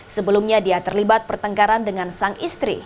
sebelumnya dia terlibat pertengkaran dengan sang istri